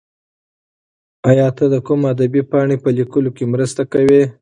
ایا ته د کوم ادبي پاڼې په لیکلو کې مرسته کوې؟